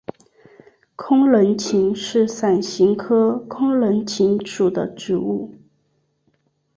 空棱芹是伞形科空棱芹属的植物。